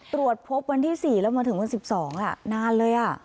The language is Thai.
ตรวจพบวันที่๔แล้วมาถึงวัน๑๒นานเลย